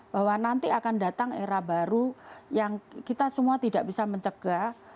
bahwa nanti akan datang era baru yang kita semua tidak bisa mencegah